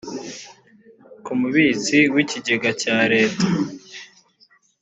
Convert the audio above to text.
ku mubitsi w’ ikigega cya leta